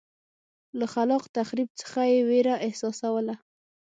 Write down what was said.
له خلاق تخریب څخه یې وېره احساسوله.